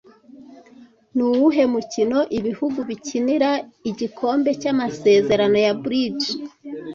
Nuwuhe mukino ibihugu bikinira Igikombe cyamasezerano ya Bridge